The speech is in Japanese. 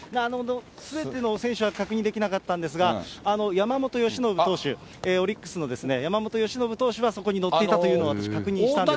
すべての選手は確認できなかったんですが、山本由伸投手、オリックスのですね、山本由伸投手がそこに乗っていたというのを私、確認したんですが。